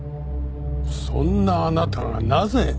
そんなあなたがなぜ？